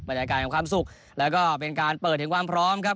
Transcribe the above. บรรยากาศของความสุขแล้วก็เป็นการเปิดถึงความพร้อมครับ